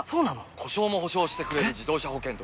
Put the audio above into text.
故障も補償してくれる自動車保険といえば？